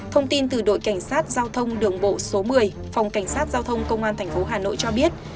thông tin từ đội cảnh sát giao thông đường bộ số một mươi phòng cảnh sát giao thông công an tp hà nội cho biết